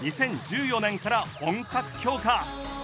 ２０１４年から本格強化。